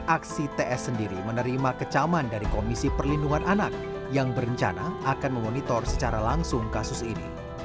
aksi ts sendiri menerima kecaman dari komisi perlindungan anak yang berencana akan memonitor secara langsung kasus ini